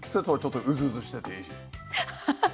ハハハ！